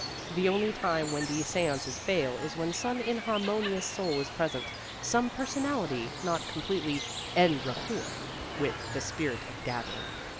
The only time when these seances fail is when some inharmonious soul is present some personality not completely EN RAPPORT with the spirit of the gathering.